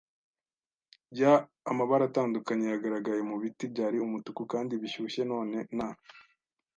y'amabara atandukanye yagaragaye mu biti. Byari umutuku kandi bishyushye, none na